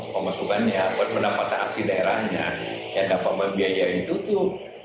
pemasukannya buat pendapatan asli daerahnya yang dapat membiayai itu tuh